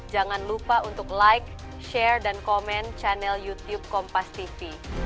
jangan lupa untuk like share dan komen channel youtube kompas tv